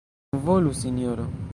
Volu, sinjoro.